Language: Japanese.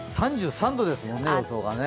３３度ですもんね、予想がね。